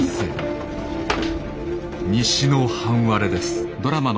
西の半割れです。